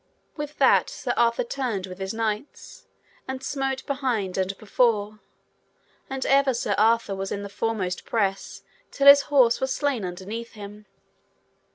With that Sir Arthur turned with his knights, and smote behind and before, and ever Sir Arthur was in the foremost press till his horse was slain underneath him.